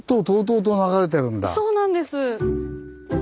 そうなんです。